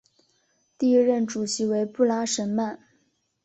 第一任主席为布拉什曼。